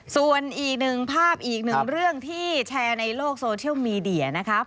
ส่วนอีกหนึ่งภาพอีกหนึ่งเรื่องที่แชร์ในโลกโซเชียลมีเดียนะครับ